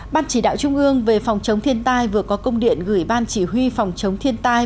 ban chỉ đạo trung ương về phòng chống thiên tai vừa có công điện gửi ban chỉ huy phòng chống thiên tai